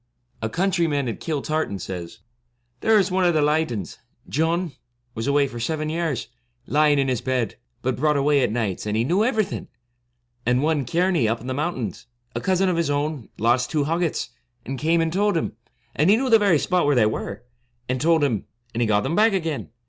A countryman at Kiltartan says, * There was one of the 67 Lydons — John — was away for seven years, lying in his bed, but brought away at nights, and he knew everything; and one, Kearney, up in the mountains, a cousin of his own, lost two hoggets, and came and told him, and he knew the very spot where they were, and told him, and he got them back again.